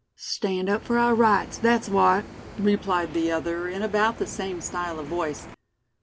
"Stand up for our rights, that's what," replied the other, in about the same style of voice.